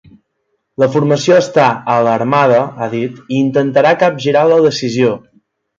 La formació està ‘alarmada’ –ha dit– i intentarà capgirar la decisió.